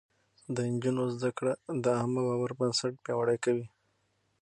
د نجونو زده کړه د عامه باور بنسټ پياوړی کوي.